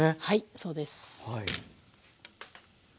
はいそうです。